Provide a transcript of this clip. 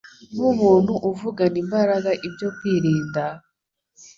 Nk’umuntu uvugana imbaraga ibyo kwirinda,